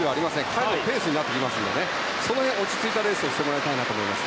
彼のペースになってきますのでその辺、落ち着いたレースをしてもらいたいと思います。